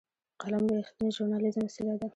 قلم د رښتینې ژورنالېزم وسیله ده